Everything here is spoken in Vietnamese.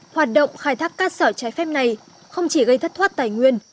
hoạt động khai thác cát sỏi trái phép này không chỉ gây thất thoát tài nguyên